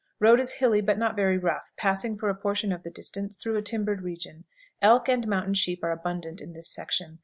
Road is hilly, but not very rough, passing for a portion of the distance through a timbered region. Elk and mountain sheep are abundant in this section.